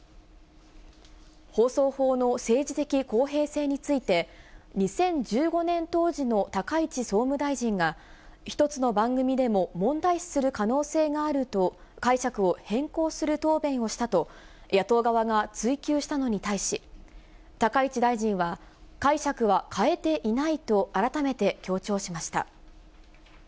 放送法の政治的公平性について、２０１５年当時の高市総務大臣が、一つの番組でも問題視する可能性があると、解釈を変更する答弁をしたと、野党側が追及したのに対し、高市大臣は、解釈は変えていないと改めて強調しました。